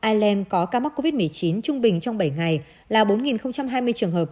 ireland có ca mắc covid một mươi chín trung bình trong bảy ngày là bốn hai mươi trường hợp